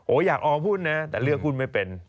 อยากออกหุ้นนะแต่เลือกหุ้นไม่เป็น